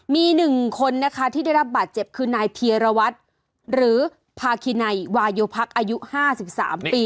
มี๑คนนะคะที่ได้รับบาดเจ็บคือนายเพียรวัตรหรือภาคินัยวายพักอายุ๕๓ปี